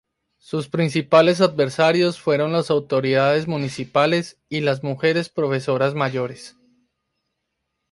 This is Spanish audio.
Sus principales adversarios fueron las autoridades municipales y las mujeres profesoras mayores.